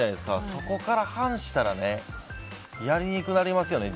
そこから反したらやりにくくなりますよね。